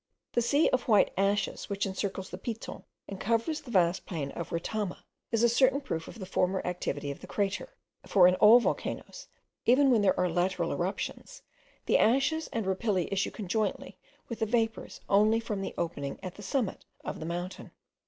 The sea of white ashes which encircles the Piton, and covers the vast plain of Retama, is a certain proof of the former activity of the crater: for in all volcanoes, even when there are lateral eruptions, the ashes and the rapilli issue conjointly with the vapours only from the opening at the summit of the mountain.